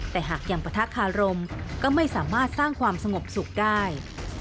แต่หากยังปะทะคารมก็ไม่สามารถสร้างความสงบสุขได้